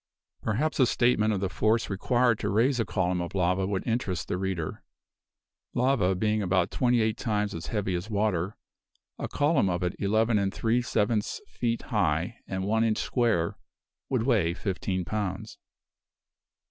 Perhaps a statement of the force required to raise a column of lava would interest the reader. Lava being about twenty eight times as heavy as water, a column of it eleven and three sevenths feet high, and one inch square, would weigh fifteen pounds.